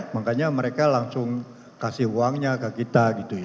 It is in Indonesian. makanya mereka langsung kasih uangnya ke kita gitu ya